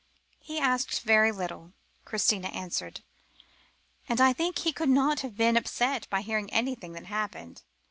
"He asked very little," Christina answered, "and I think he could not have been upset by hearing anything that happened.